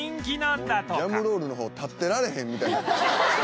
「ジャムロールの方立ってられへんみたいな」